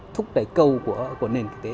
thúc đẩy câu của nền kinh tế